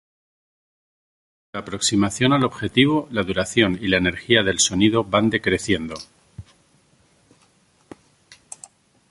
Durante la aproximación al objetivo, la duración y la energía del sonido van decreciendo.